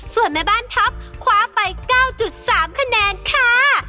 ส่วนแม่บ้านท็อปคว้าไป๙๓คะแนนค่ะ